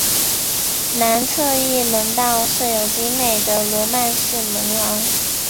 南侧翼门道设有精美的罗曼式门廊。